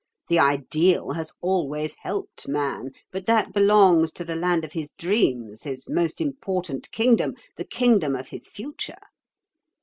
The ideal has always helped man; but that belongs to the land of his dreams, his most important kingdom, the kingdom of his future.